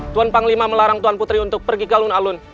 tuan panglima melarang tuan putri untuk pergi ke alun alun